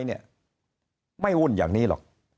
เพราะสุดท้ายก็นำไปสู่การยุบสภา